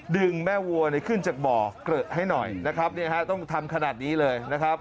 ดึงแม่วัวขึ้นจากบ่อเกลอะให้หน่อยนะครับต้องทำขนาดนี้เลยนะครับ